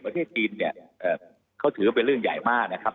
ประเทศจีนเนี่ยเขาถือว่าเป็นเรื่องใหญ่มากนะครับ